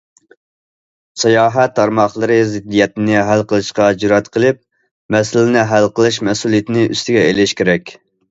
ساياھەت تارماقلىرى زىددىيەتنى ھەل قىلىشقا جۈرئەت قىلىپ، مەسىلىنى ھەل قىلىش مەسئۇلىيىتىنى ئۈستىگە ئېلىشى كېرەك.